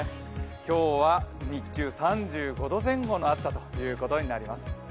今日は日中、３５度前後の暑さということになります。